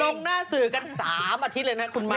ลงหน้าสื่อกัน๓อาทิตย์เลยนะคุณแม่